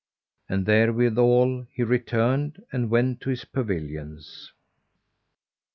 And therewithal he returned and went to his pavilions.